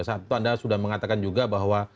satu anda sudah mengatakan juga bahwa